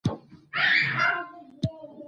د خوراک پر مهال له میرمنې مننه وکړه.